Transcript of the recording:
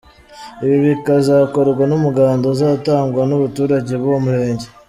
Ibi bikazakorwa n’umuganda uzatangwa n’abaturage b’uwo murenge.